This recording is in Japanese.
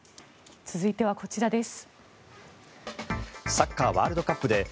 続いてはこちらです。